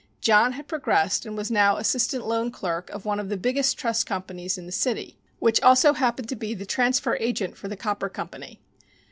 John had progressed and was now assistant loan clerk of one of the biggest trust companies in the city, which also happened to be transfer agent for the copper company.